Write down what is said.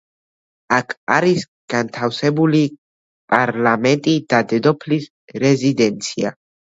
აქ არის განთავსებული პარლამენტი და დედოფლის რეზიდენცია.